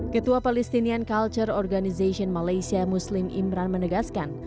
ketua palestinian culture organization malaysia muslim imran menegaskan